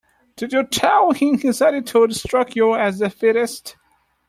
Did you tell him his attitude struck you as defeatist?